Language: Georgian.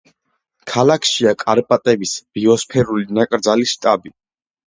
ქალაქშია კარპატების ბიოსფერული ნაკრძალის შტაბი.